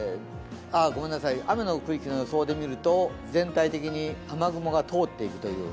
雨の区域の予想で見ると全体的に雨雲が通っているという。